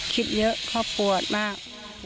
คิดเยอะครอบครัวมาก